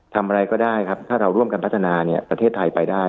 ทำอะไรก็ได้ถ้าร่วมกันพัฒนาประเทศไทยไปได้